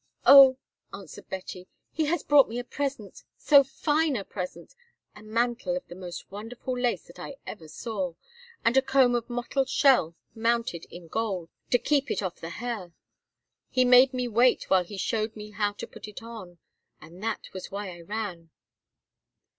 "Oh!" answered Betty, "he has brought me a present, so fine a present—a mantle of the most wonderful lace that ever I saw, and a comb of mottled shell mounted in gold to keep it off the hair. He made me wait while he showed me how to put it on, and that was why I ran."